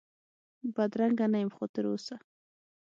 بدرنګه نه یم خو تراوسه،